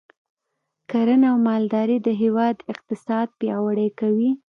کرنه او مالداري د هیواد اقتصاد پیاوړی کوي.